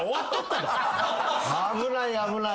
危ない危ない。